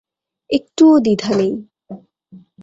একটুও দ্বিধা নেই।